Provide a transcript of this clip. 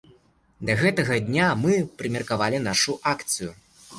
Да гэтага дня мы прымеркавалі нашу акцыю.